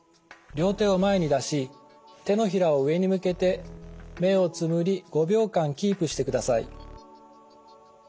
両手を前に出し手のひらを上に向けて目をつむり５秒間キープしてください。